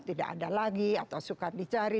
tidak ada lagi atau suka dicari